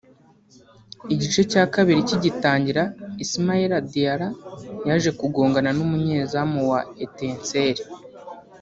Igice cya kabiri kigitangira Ismaila Diarra yaje kugongana n’umunyezamu wa Etincelles